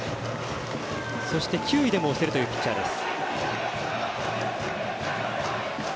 そして球威でも押せるというピッチャーです。